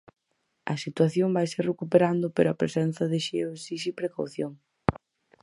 A situación vaise recuperando pero a presenza de xeo esixe precaución.